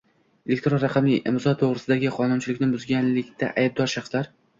Elektron raqamli imzo to‘g‘risidagi qonunchilikni buzganlikda aybdor shaxslar